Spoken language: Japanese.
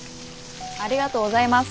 ありがとうございます。